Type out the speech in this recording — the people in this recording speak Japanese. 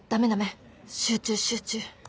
集中集中。